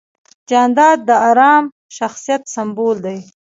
جانداد د ارام شخصیت سمبول دی.